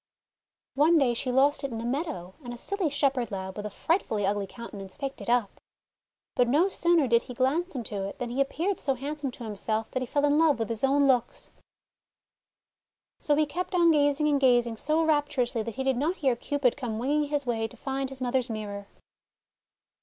One day she lost it in a meadow, and a silly shepherd lad, with a frightfully ugly counte nance, picked it up. But no sooner did he glance into it than he appeared so handsome to him self that he fell in love with his own looks; So he kept on gazing and gazing so raptur ously that he did not hear Cupid come winging his way to find his mother's mirror.